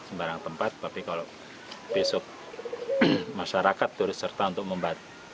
sembarang tempat tapi kalau besok masyarakat turis serta untuk membantu